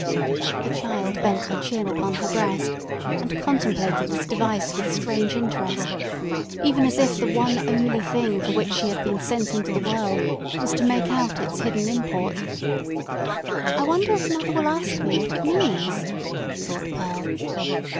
The child bent her chin upon her breast, and contemplated this device with strange interest, even as if the one only thing for which she had been sent into the world was to make out its hidden import. "I wonder if mother will ask me what it means?" thought Pearl.